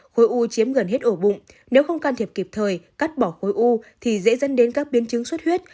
khối u chiếm gần hết ổ bụng nếu không can thiệp kịp thời cắt bỏ khối u thì dễ dẫn đến các biến chứng xuất huyết